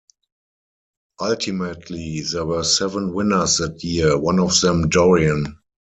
Ultimately, there were seven winners that year, one of them Dorian.